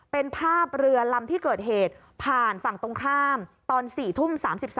เป็นภาพเรือลำที่เกิดเหตุผ่านฝั่งตรงข้ามตอน๔ทุ่ม๓๓